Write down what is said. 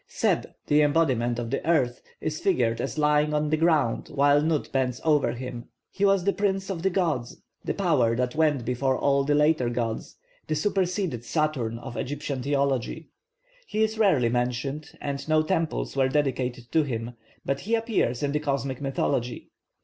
+Seb+, the embodiment of the earth, is figured as lying on the ground while Nut bends over him. He was the 'prince of the gods,' the power that went before all the later gods, the superseded Saturn of Egyptian theology. He is rarely mentioned, and no temples were dedicated to him, but he appears in the cosmic mythology.